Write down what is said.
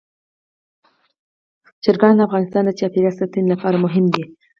چرګان د افغانستان د چاپیریال ساتنې لپاره مهم دي.